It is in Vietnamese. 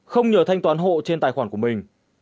không nhờ thanh toán hộ trên tài khoản của mình